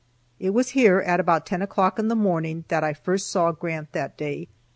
It was here, at about ten o'clock in the morning, that I first saw Grant that day.